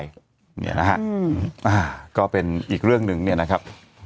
เนี่ยนะฮะก็เป็นอีกเรื่องหนึ่งเนี่ยนะครับ